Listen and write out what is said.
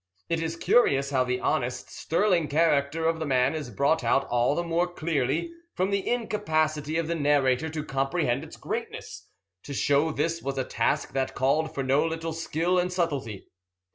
It is curious how the honest, sterling character of the man is brought out all the more clearly from the incapacity of the narrator to comprehend its greatness to show this was a task that called for no little skill and subtlety.